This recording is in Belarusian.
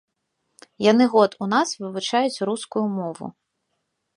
Яны год у нас вывучаюць рускую мову.